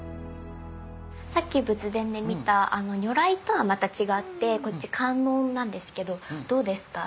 さっき仏殿で見た如来とはまた違ってこっち観音なんですけどどうですか？